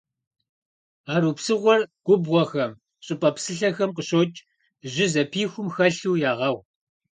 Арупсыгъуэр губгъуэхэм, щӏыпӏэ псылъэхэм къыщокӏ, жьы зэпихум хэлъу ягъэгъу.